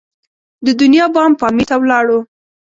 د دنیا بام پامیر ته ولاړو.